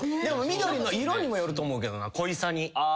でも緑の色にもよると思うけどな濃いさに。